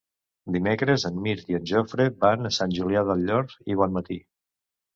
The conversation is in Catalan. Dimecres en Mirt i en Jofre van a Sant Julià del Llor i Bonmatí.